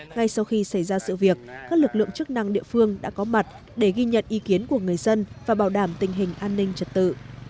ngay sau khi xảy ra sự việc các lực lượng chức năng địa phương đã có mặt để ghi nhận ý kiến của người dân và bảo đảm tình hình an ninh trật tự